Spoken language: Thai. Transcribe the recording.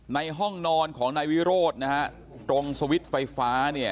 ในห้องนอนของนายวิโรธตรงสวิตเตอร์ไฟฟ้า